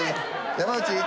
山内。